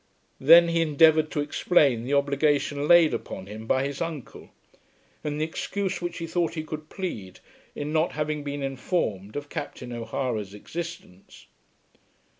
Then he endeavoured to explain the obligation laid upon him by his uncle, and the excuse which he thought he could plead in not having been informed of Captain O'Hara's existence.